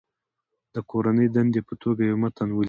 د کورنۍ دندې په توګه یو متن ولیکئ.